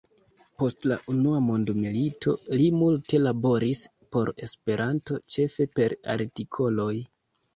Post la Unua mondmilito li multe laboris por Esperanto, ĉefe per artikoloj.